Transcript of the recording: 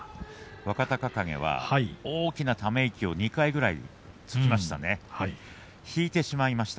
若隆景は大きなため息を２回つきました。